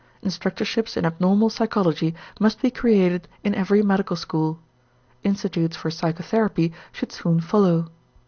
Instructorships in abnormal psychology must be created in every medical school; institutes for psychotherapy should soon follow.